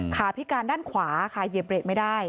พิการด้านขวาค่ะเหยียบเบรกไม่ได้